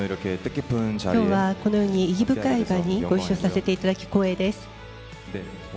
きょうはこのように意義深い場にご一緒させていただき光栄です。